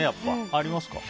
ありますか？